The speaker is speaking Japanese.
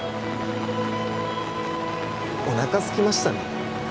おなかすきましたね